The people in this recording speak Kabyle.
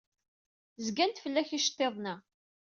Zgan-d fell-ak yiceḍḍiḍen-a.